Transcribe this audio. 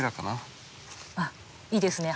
あっいいですね